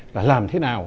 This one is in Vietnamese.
là làm thế nào